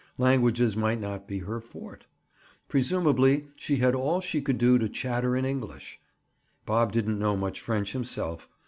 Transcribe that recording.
Languages might not be her forte. Presumably she had all she could do to chatter in English. Bob didn't know much French himself.